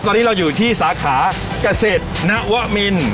ตอนนี้เราอยู่ที่สาขาเกษตรนวมิน